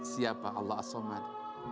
siapa allah asomad